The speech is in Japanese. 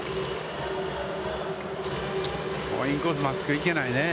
インコース真っすぐ行けないね。